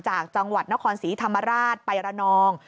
จากจังหวัดนครศรีธรรมราชไประนอง